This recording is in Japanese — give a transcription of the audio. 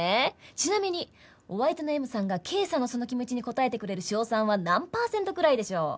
ちなみにお相手のＭさんがＫさんのその気持ちに応えてくれる勝算は何パーセントくらいでしょう？